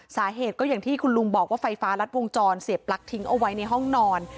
สาเหตุก็อย่างที่คุณลุงบอกว่าไฟฟ้ารัดวงจรเสียบปลั๊กทิ้งเอาไว้ในห้องนอน